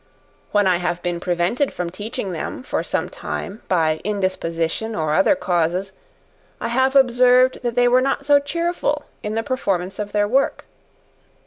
When I have been prevented from teaching them for some time, by indisposition, or other causes, I have observed they were not so cheerful in the performance of their work.